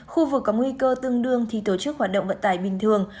khu vực có nguy cơ tương đương thì tổ chức hoạt động vận tải bình thường